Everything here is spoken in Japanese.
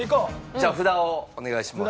じゃあ札をお願いします。